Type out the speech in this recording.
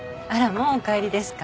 もうお帰りですか？